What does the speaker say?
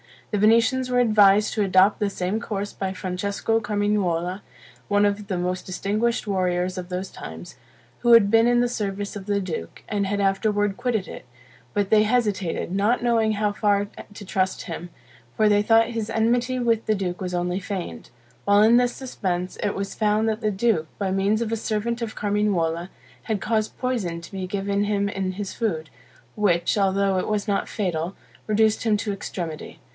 The Venetians were advised to adopt the same course by Francesco Carmignuola, one of the most distinguished warriors of those times, who had been in the service of the duke, and had afterward quitted it; but they hesitated, not knowing how far to trust him; for they thought his enmity with the duke was only feigned. While in this suspense, it was found that the duke, by means of a servant of Carmignuola, had caused poison to be given him in his food, which, although it was not fatal, reduced him to extremity.